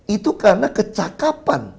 itu karena kecakapan